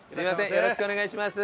よろしくお願いします。